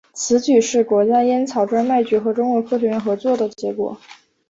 此举是国家烟草专卖局和中国科学院合作的结果。